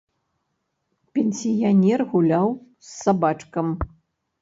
Пенсіянер гуляў з сабачкам.